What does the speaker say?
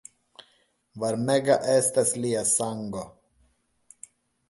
Varmega estas lia sango!